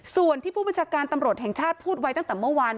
ส่วนที่ผู้บัญชาการตำรวจแห่งชาติพูดไว้ตั้งแต่เมื่อวาน